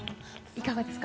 いかがですか？